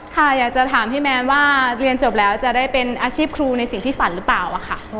ค่ะอยากจะถามพี่แมนว่าเรียนจบแล้วจะได้เป็นอาชีพครูในสิ่งที่ฝันหรือเปล่าค่ะ